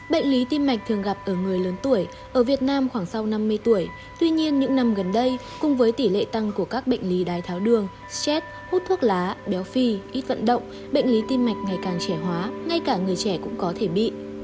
bệnh lý tim mạch thường gặp ở người lớn tuổi ở việt nam khoảng sau năm mươi tuổi tuy nhiên những năm gần đây cùng với tỷ lệ tăng của các bệnh lý đái tháo đường sét hút thuốc lá béo phi ít vận động bệnh lý tim mạch ngày càng trẻ hóa ngay cả người trẻ cũng có thể bị